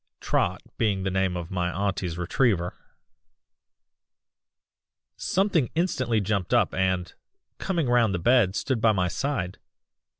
(Trot being the name of my auntie's retriever.) "Something instantly jumped up and, coming round the bed, stood by my side.